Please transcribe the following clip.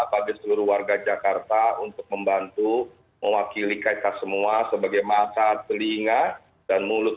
bagi seluruh warga jakarta untuk membantu mewakili kaitan semua sebagai masa telinga dan mulut